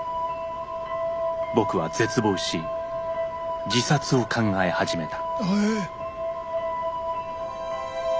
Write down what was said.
僕は絶望し自殺を考え始めた。